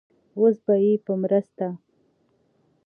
اوس به يې په مرسته